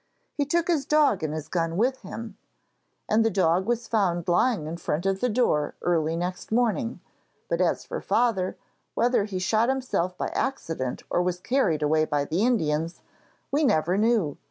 He took his dog and his gun with him, and the dog was found lying in front of the door early next morning. But as for father, whether he shot himself by accident or was carried away by the Indians, we never knew.